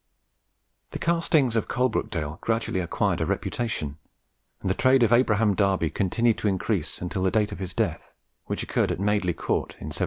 The castings of Coalbrookdale gradually acquired a reputation, and the trade of Abraham Darby continued to increase until the date of his death, which occurred at Madeley Court in 1717.